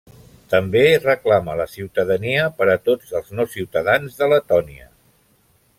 També reclama la ciutadania per a tots els no ciutadans de Letònia.